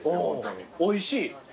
おいしい。